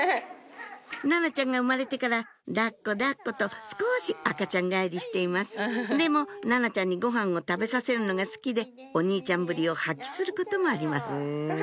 奈々ちゃんが生まれてから抱っこ抱っこ！と少し赤ちゃん返りしていますでも奈々ちゃんにご飯を食べさせるのが好きでお兄ちゃんぶりを発揮することもあります